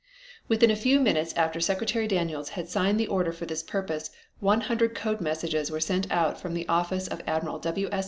Within a few minutes after Secretary Daniels had signed the order for this purpose one hundred code messages were sent out from the office of Admiral W. S.